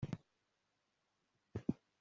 watowe tariki ya munani